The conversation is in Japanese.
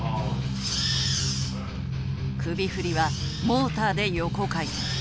首振りはモーターで横回転。